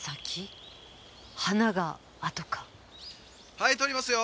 はい撮りますよ。